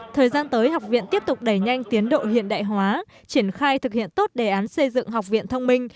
thời gian tới học viện tiếp tục đẩy nhanh tiến độ hiện đại hóa triển khai thực hiện tốt đề án xây dựng học viện thông minh